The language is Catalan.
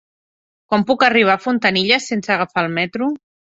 Com puc arribar a Fontanilles sense agafar el metro?